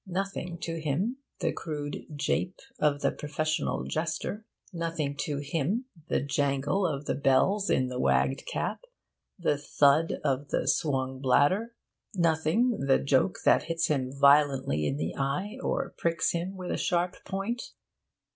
Nothing to him, the crude jape of the professional jester. Nothing to him, the jangle of the bells in the wagged cap, the thud of the swung bladder. Nothing, the joke that hits him violently in the eye, or pricks him with a sharp point.